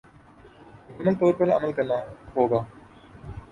مکمل طور پر عمل کرنا ہوگا